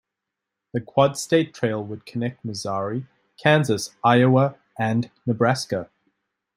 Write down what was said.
This "quad state" trail would connect Missouri, Kansas, Iowa, and Nebraska.